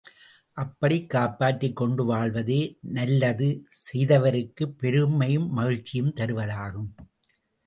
அப்படிக் காப்பாற்றிக் கொண்டு வாழ்வதே நல்லது செய்தவருக்குப் பெருமையும் மகிழ்ச்சியும் தருவதாகும்.